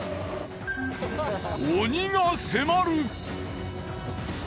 鬼が迫る。